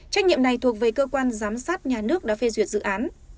trách nhiệm này thuộc về cơ quan giám sát nhà nước đã phê duyệt dự án